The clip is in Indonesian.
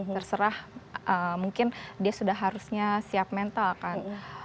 terserah mungkin dia sudah harusnya siap mental kan